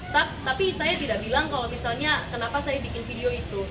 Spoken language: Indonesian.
stuck tapi saya tidak bilang kalau misalnya kenapa saya bikin video itu